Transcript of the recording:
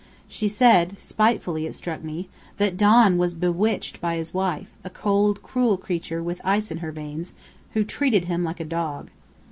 She said spitefully it struck me that Don was bewitched by his wife, a cold, cruel creature with ice in her veins, who treated him like a dog."